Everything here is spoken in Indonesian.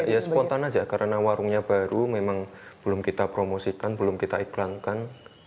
ya spontan aja karena warungnya baru memang belum kita promosikan belum kita iklankan